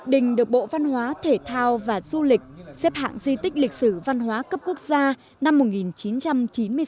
đình được bộ văn hóa thể thao và du lịch xếp hạng di tích lịch sử văn hóa cấp quốc gia năm một nghìn chín trăm chín mươi sáu